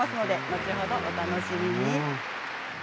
後ほど、お楽しみに。